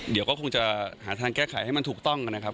เดี๋ยวก็คงจะหาทางแก้ไขให้มันถูกต้องนะครับ